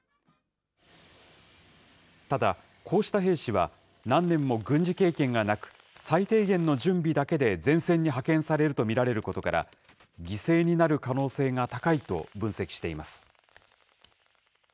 ただ、こうした兵士は、何年も軍事経験がなく、最低限の準備だけで前線に派遣されると見られることから、犠牲になる可能性が高いと分析しています。